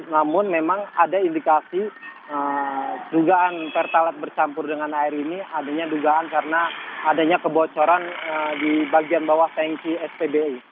namun memang ada indikasi dugaan pertalat bercampur dengan air ini adanya dugaan karena adanya kebocoran di bagian bawah tanki spbu